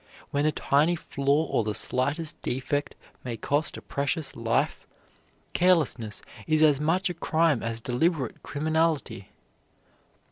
Where a tiny flaw or the slightest defect may cost a precious life, carelessness is as much a crime as deliberate criminality.